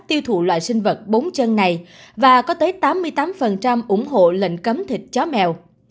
tiêu thụ loại sinh vật bốn chân này và có tới tám mươi tám ủng hộ lệnh cấm thịt chó mèo